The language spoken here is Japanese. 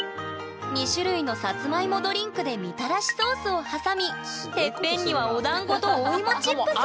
２種類のさつまいもドリンクでみたらしソースを挟みてっぺんにはおだんごとお芋チップスが！